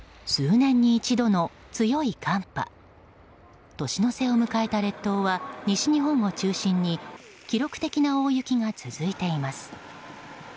年の瀬を迎えた列島は西日本を中心に記録的な大雪が続いています。